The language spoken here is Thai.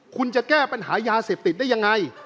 คุณจะแก้ปัญหายาเสพติดได้ยังไง